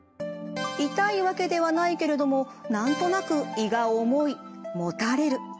痛いわけではないけれども何となく胃が重いもたれる。